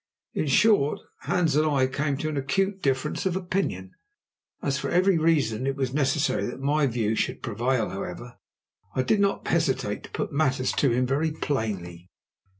In short, Hans and I came to an acute difference of opinion. As for every reason it was necessary that my view should prevail, however, I did not hesitate to put matters to him very plainly.